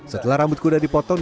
setelah rambut kuda dipotong